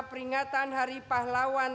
peringatan hari pahlawan